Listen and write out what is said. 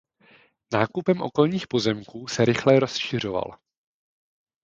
Nákupem okolních pozemků se rychle rozšiřoval.